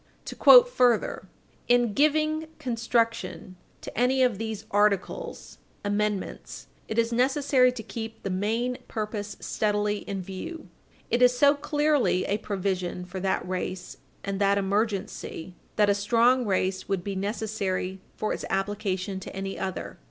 To quote further from 16 Wall., supra: "In giving construction to any of these article [amendments], it is necessary to keep the main purpose steadily in view. ... It is so clearly a provision for that race and that emergency that a strong case would be necessary for its application to any other."